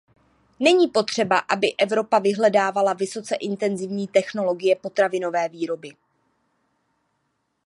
Není potřeba, aby Evropa vyhledávala vysoce intenzivní technologie potravinové výroby.